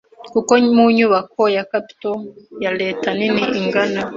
kuko mu nyubako ya capitol ya leta nini, inganda,